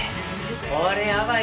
これやばい。